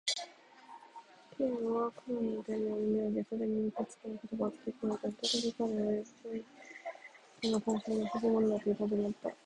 Ｋ はクラムの手紙を読みあげ、それにいくつかの言葉をつけ加えた。ふたたび彼は、役所との交渉が非常にやさしいものなのだという感情をもった。